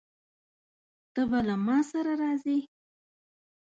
ته به له ما سره راځې؟